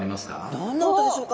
どんな音でしょうか？